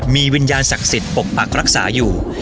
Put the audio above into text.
มีวิญญาณศักดิ์สิทธิ์ปกปักรักษาอยู่